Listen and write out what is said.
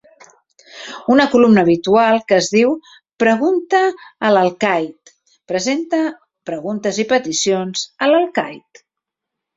Una columna habitual que es diu "Pregunta a l'alcaid" presenta preguntes i peticions a l'alcaid.